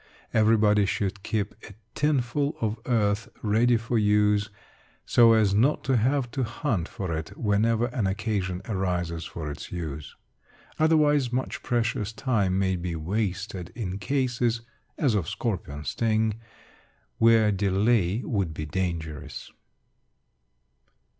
Everybody should keep a tinful of earth ready for use, so as not to have to hunt for it whenever an occasion arises for its use. Otherwise, much precious time may be wasted in cases (as of scorpion sting) where delay would be dangerous.